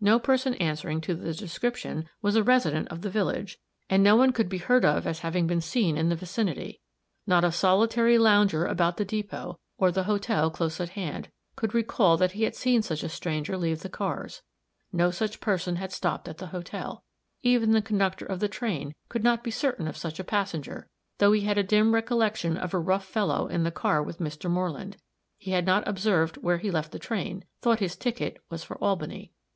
No person answering to the description was a resident of the village, and no one could be heard of as having been seen in the vicinity. Not a solitary lounger about the depot, or the hotel close at hand, could recall that he had seen such a stranger leave the cars; no such person had stopped at the hotel; even the conductor of the train could not be certain of such a passenger, though he had a dim recollection of a rough fellow in the car with Mr. Moreland he had not observed where he left the train thought his ticket was for Albany.